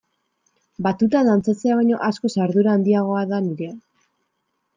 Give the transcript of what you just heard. Batuta dantzatzea baino askoz ardura handiagoa da nirea.